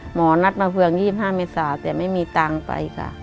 หมอนัดมาเฟือง๒๕เมษาแต่ไม่มีตังค์ไปค่ะ